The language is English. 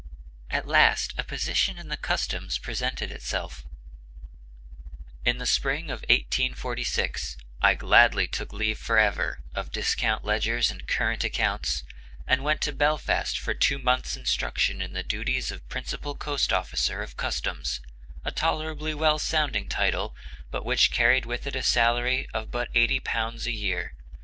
At last a position in the Customs presented itself: "In the spring of 1846 I gladly took leave forever of discount ledgers and current accounts, and went to Belfast for two months' instruction in the duties of Principal Coast Officer of Customs; a tolerably well sounding title, but which carried with it a salary of but £80 a year.